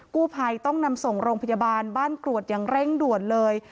กู้ภัยต้องนำส่งโรงพยาบาลบ้านกรวดอย่างเร่งด่วนเลย